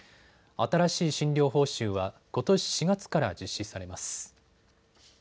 新しい診療報酬はことし４月から実施されます。